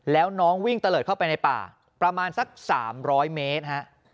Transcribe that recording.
แล้วน้องวิ่งตะเลิดเข้าไปในป่าประมาณสัก๓๐๐เมตรฮะ